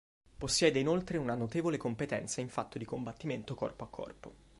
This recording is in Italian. Possiede inoltre una notevole competenza in fatto di combattimento corpo a corpo.